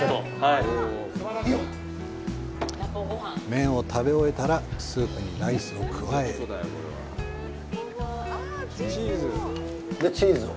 麺を食べ終えたら、スープにライスを加えで、チーズを？